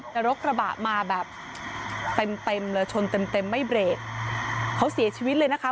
แต่รถกระบะมาแบบเต็มเต็มเลยชนเต็มเต็มไม่เบรกเขาเสียชีวิตเลยนะคะ